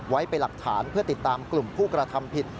ไว้เป็นหลักฐานเพื่อติดตามกลุ่มผู้กระทำผิด